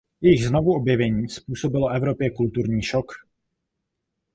Jejich znovuobjevení způsobilo Evropě kulturní šok.